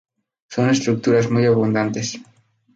Son estructuras muy abundantes.